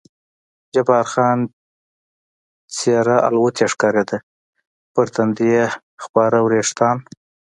جبار خان څېره الوتی ښکارېده، پر تندي یې خپاره وریښتان.